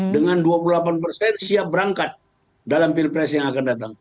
dengan dua puluh delapan persen siap berangkat dalam pilpres yang akan datang